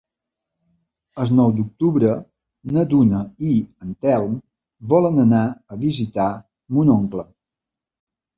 El nou d'octubre na Duna i en Telm volen anar a visitar mon oncle.